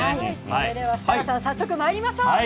それでは、設楽さん、早速まいりましょう。